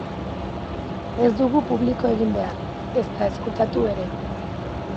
Ez dugu publiko egin behar, ezta ezkutatu ere.